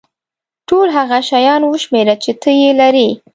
ټول هغه شیان وشمېره چې ته یې لرې.